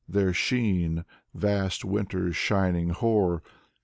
Their sheen — ^vast winter's shining hoar.